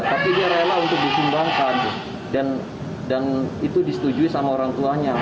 tapi dia rela untuk disumbangkan dan itu disetujui sama orang tuanya